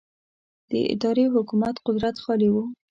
د ادارې او حکومت قدرت خالي و.